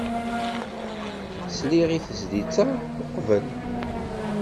Sliɣ i tezlit-a uqbel.